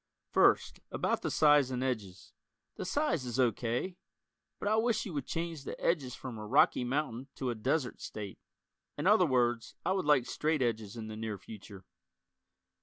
First, about the size and edges: The size is O. K., but I wish you would change the edges from a "rocky mountain" to a "desert" state. In other words, I would like straight edges in the near future.